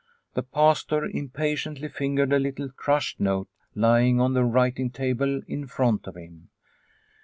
The Pastor impatiently fingered a little crushed note lying on the writing table in front of him.